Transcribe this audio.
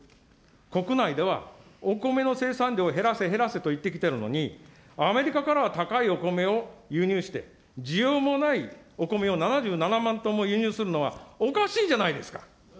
国内ではお米の生産量を減らせ減らせといってきているのに、アメリカからは高いお米を輸入して、需要もないお米を７７万トンも輸入するのはおかしいじゃないですか。